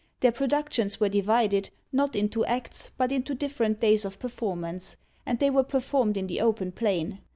Their productions were divided, not into acts, but into different days of performance, and they were performed in the open plain.